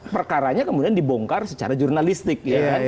perkaranya kemudian dibongkar secara jurnalistik